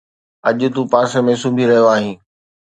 اڄ تون پاسي ۾ سمهي رهيو آهين